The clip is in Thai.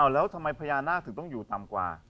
แล้วทำไมพญานาคถึงต้องอยู่ต่ำกว่า